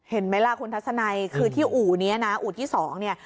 เห็นไหมล่ะคุณทัศนัยคือที่อู่เนี้ยนะอู่ที่สองเนี่ย